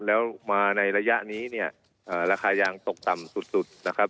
แล้วมาในระยะนี้เนี่ยราคายางตกต่ำสุดนะครับ